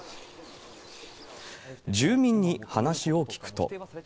住民に話を聞くと。